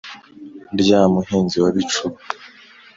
rya muhizi wa bicuba,